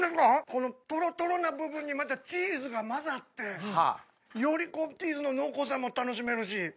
このトロトロな部分にチーズが混ざってよりチーズの濃厚さも楽しめるし。